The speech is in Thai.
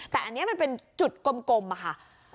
แต่อันนี้มันเป็นจุดกลมค่ะ